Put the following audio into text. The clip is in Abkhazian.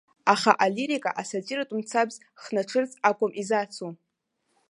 Аха алирика асатиратә мцабз хнаҽырц акәым изацу.